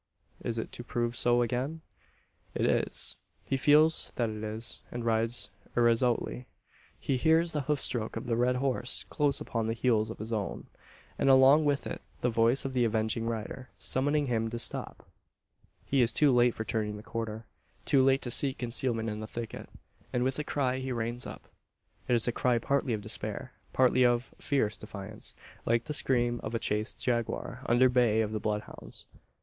Is it to prove so again? It is. He feels that it is, and rides irresolutely. He hears the hoofstroke of the red horse close upon the heels of his own; and along with it the voice of the avenging rider, summoning him to stop! He is too late for turning the corner, too late to seek concealment in the thicket, and with a cry he reins up. It is a cry partly of despair, partly of fierce defiance like the scream of a chased jaguar under bay of the bloodhounds.